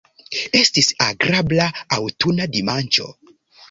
Estis agrabla aŭtuna dimanĉo.